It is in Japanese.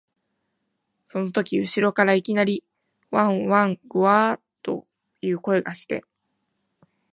そのとき後ろからいきなり、わん、わん、ぐゎあ、という声がして、